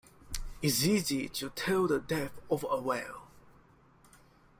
It's easy to tell the depth of a well.